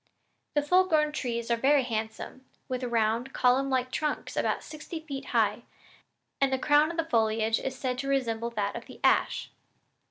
The full grown trees are very handsome, with round column like trunks about sixty feet high, and the crown of foliage is said to resemble that of the ash."